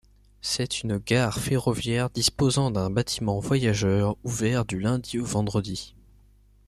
C'est une gare ferroviaire disposant d'un bâtiment voyageurs ouvert du lundi au vendredi.